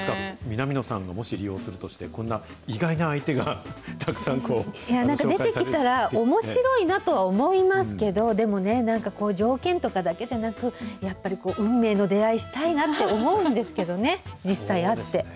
南野さんがもし利用するとして、こんな意外な相なんか出てきたら、おもしろいなとは思いますけど、でもね、なんか条件とかだけじゃなく、やっぱり運命の出会い、したいなって思うんですけどね、実際会って。